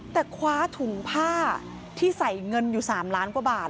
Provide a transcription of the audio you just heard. แต่คว้าถุงผ้าที่ใส่เงินอยู่๓ล้านกว่าบาท